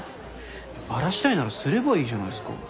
バラしたいならすればいいじゃないっすか。